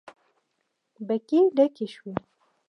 بګۍ ډکې شوې.